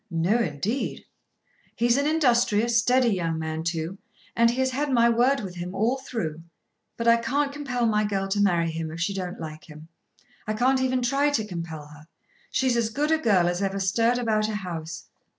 "No indeed." "He's an industrious steady young man too, and he has had my word with him all through. But I can't compel my girl to marry him if she don't like him. I can't even try to compel her. She's as good a girl as ever stirred about a house."